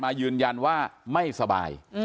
ยืนยันว่าไม่สบาย